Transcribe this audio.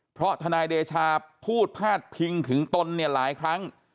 เพราะทนายเดชาพูดพาดพิงถึงตนเนี่ยหลายครั้ง